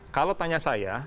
kalau tanya saya